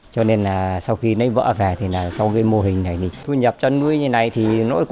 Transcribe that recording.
cho nên là sau khi nấy vợ về thì là sau cái mô hình này thì thu nhập chăn nuôi như thế này